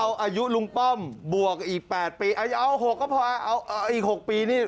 เอาอายุลุงป้อมบวกอีก๘ปีเอา๖ก็พอเอาอีก๖ปีนี่